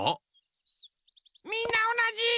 みんなおなじ！